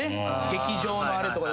劇場のあれとかで。